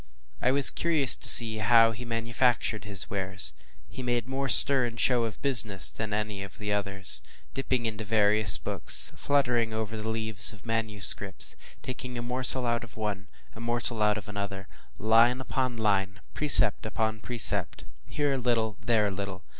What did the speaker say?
I was curious to see how he manufactured his wares. He made more stir and show of business than any of the others; dipping into various books, fluttering over the leaves of manuscripts, taking a morsel out of one, a morsel out of another, “line upon line, precept upon precept, here a little and there a little.